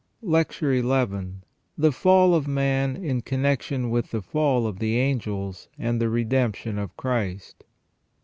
LECTURE XL THE FALL OF MAN IN CONNECTION WITH THE FALL OF THE ANGELS AND THE REDEMPTION OF CHRIST.